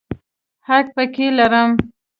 حق پکې لرم.